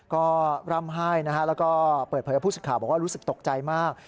ก็ร่ำไห้แล้วก็เปิดเผยพูดข่าวบอกว่ารู้สึกตกใจมาก